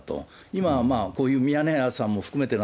今、こういうミヤネ屋さんも含めて